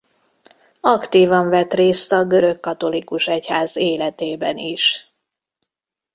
Aktívan vett részt a görögkatolikus egyház életében is.